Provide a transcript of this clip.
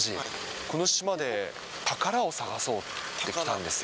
この島で宝を探そうって来たんですよ。